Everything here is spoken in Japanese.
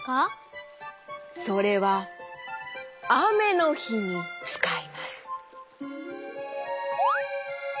それはあめのひにつかいます。